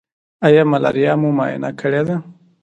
ایا ملاریا مو معاینه کړې ده؟